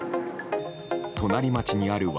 隣町にある蕨